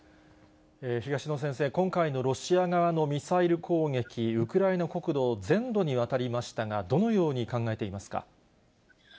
東野先生、今回のロシア側のミサイル攻撃、ウクライナ国土全土にわたりましたが、どのように考えていますか。